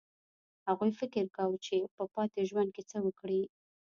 هغوی فکر کاوه چې په پاتې ژوند کې څه وکړي